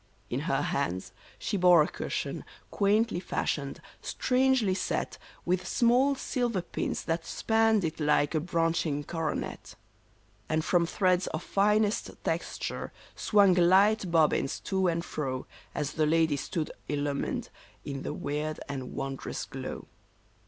In her hands she bore a cushion, quaintly fashioned, strange ly set With small silver pins that spanned it like a branching coro net ; And from threads of finest texture swung light bobbins to and fro. As the lady stood illumined in the weird and wondrous glow.